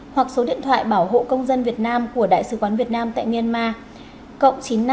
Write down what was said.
hoặc số điện thoại bảo hộ công dân việt nam của đại sứ quán việt nam tại myanmar